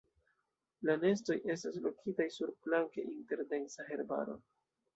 La nestoj estas lokitaj surplanke inter densa herbaro.